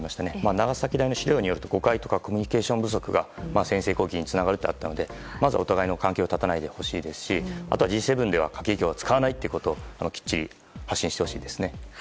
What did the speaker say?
長崎大学の資料によると誤解やコミュニケーション不足が先制攻撃につながるとあったのでまずお互いの関係を絶たないでほしいですしＧ７では核兵器を使わないことをきっちり発信してほしいですね。